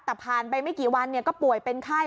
แต่ผ่านไปไม่กี่วันก็ป่วยเป็นไข้